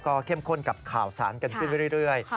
ก็เข้มข้นกับข่าวสารกันขึ้นไปเรื่อย